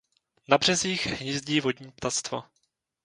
Na březích hnízdí vodní ptactvo.